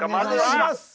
お願いします！